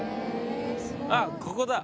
あっここだ。